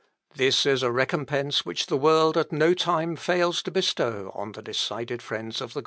This is a recompence which the world at no time fails to bestow on the decided friends of the gospel.